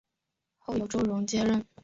后由周荣接任。